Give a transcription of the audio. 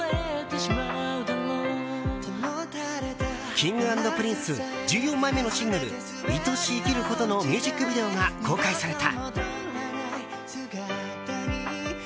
Ｋｉｎｇ＆Ｐｒｉｎｃｅ１４枚目のシングル「愛し生きること」のミュージックビデオが公開された。